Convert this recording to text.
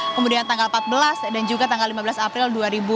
kemudian tanggal empat belas dan juga tanggal lima belas april dua ribu dua puluh